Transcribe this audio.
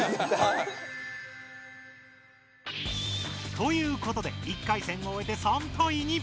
ということで１回戦をおえて３対２。